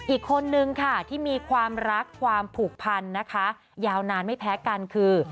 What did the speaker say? อีกคนนึงค่ะที่มีความรักความผูกพันนะคะยาวนานไม่แพ้กันคือ